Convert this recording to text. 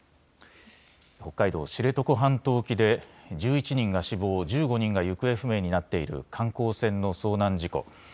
北海道知床半島沖で１１人が死亡、１５人が行方不明になっている観光船の遭難事故。